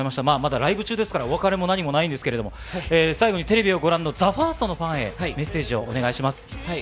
まあまだライブ中ですから、お別れも何もないんですけど、最後にテレビをご覧のＴＨＥＦＩＲＳＴのファンへ、メッセージをお願いします。